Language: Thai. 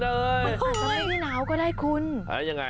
อันนี้แต่ก็ได้คุณ